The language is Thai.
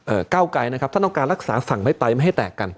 เก้าไกรนะครับถ้าต้องการรักษาสั่งไม่ไปไม่ให้แตกกัน